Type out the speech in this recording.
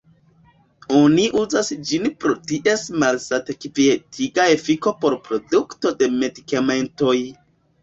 Oni uzas ĝin pro ties malsat-kvietiga efiko por produkto de medikamentoj.